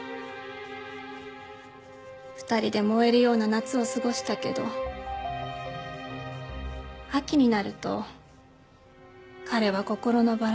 ２人で燃えるような夏を過ごしたけど秋になると彼は心のバランスを崩し始めた。